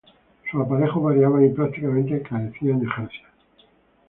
Sus aparejos variaban y prácticamente carecían de jarcia.